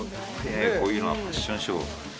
こういうのはファッションショー。